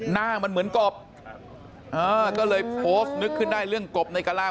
หน้ามันเหมือนกบก็เลยโพสต์นึกขึ้นได้เรื่องกบในกระลาม